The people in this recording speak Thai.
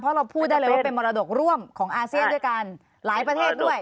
เพราะเราพูดได้เลยว่าเป็นมรดกร่วมของอาเซียนด้วยกันหลายประเทศด้วย